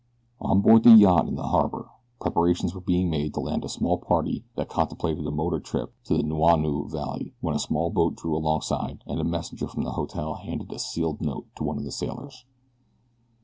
On board the yacht in the harbor preparations were being made to land a small party that contemplated a motor trip up the Nuuanu Valley when a small boat drew alongside, and a messenger from the hotel handed a sealed note to one of the sailors.